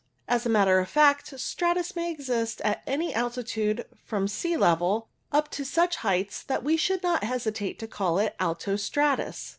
As a matter of fact, stratus may exist at any altitude from sea level up to such heights that we should not hesitate to call it alto stratus.